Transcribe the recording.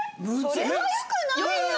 それはよくないよ！